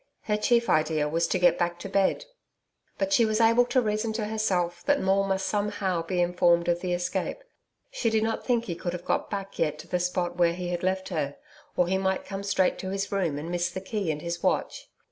Her chief idea was to get back to bed. But she was able to reason to herself that Maule must somehow be informed of the escape. She did not think he could have got back yet to the spot where he had left her. Or he might come straight to his room and miss the key and his watch.